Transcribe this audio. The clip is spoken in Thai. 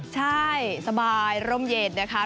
ใช่สบายร่มเย็นนะคะ